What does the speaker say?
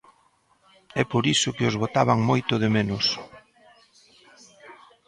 É por iso que os botaban moito de menos.